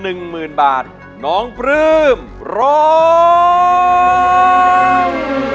เพลงที่๑มูลค่า๑๐๐๐๐บาทน้องปลื้มร้อง